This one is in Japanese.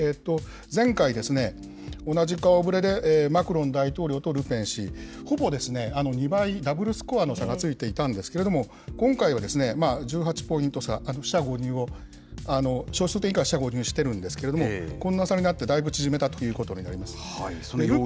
前回、同じ顔触れで、マクロン大統領とルペン氏、ほぼ２倍、ダブルスコアの差がついていたんですけれども、今回はですね、１８ポイント差、小数点以下を四捨五入しているんですけれども、こんな差になってだいぶ縮めたということになります。